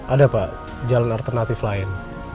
ada pak jalan alternatif lain